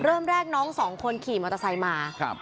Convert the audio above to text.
เริ่มแรกน้องสองคนขี่มอเตอร์ไซค์มาครับ